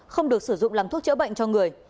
không được sử dụng làm thuốc chữa bệnh cho người